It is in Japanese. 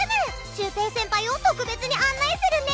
シュウペイ先輩を特別に案内するね。